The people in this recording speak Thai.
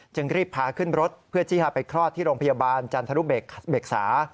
รีบพาขึ้นรถเพื่อที่จะไปคลอดที่โรงพยาบาลจันทรุเบกษา